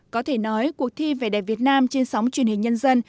có thể nói cuộc thi về đẹp việt nam trên sóng truyền hình nhân dân